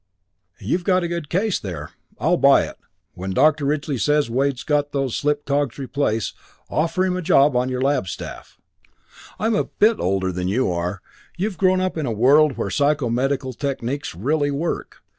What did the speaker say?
"You've got a good case there. I'll buy it. When Dr. Ridgely says Wade's got those slipped cogs replaced offer him a job in your lab staff. "I'm a bit older than you are; you've grown up in a world where the psychomedical techniques really work.